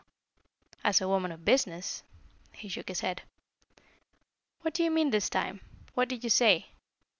As a woman of business " He shook his head. "What do you mean, this time? What did you say?"